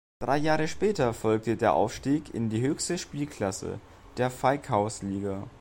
Drei Jahre später folgte der Aufstieg in die höchste Spielklasse, der Veikkausliiga.